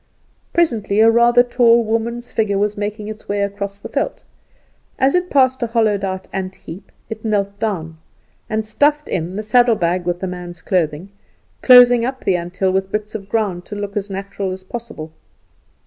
Presently a rather tall woman's figure was making its way across the veld. As it passed a hollowed out antheap it knelt down, and stuffed in the saddlebags with the man's clothing, closing up the anthill with bits of ground to look as natural as possible.